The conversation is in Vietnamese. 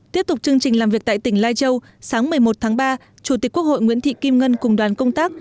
tiếp tục chương trình làm việc tại tỉnh lai châu sáng một mươi một tháng ba chủ tịch quốc hội nguyễn thị kim ngân cùng đoàn công tác